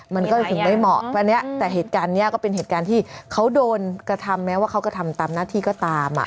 มันก็ถึงไม่เหมาะวันนี้แต่เหตุการณ์นี้ก็เป็นเหตุการณ์ที่เขาโดนกระทำแม้ว่าเขากระทำตามหน้าที่ก็ตาม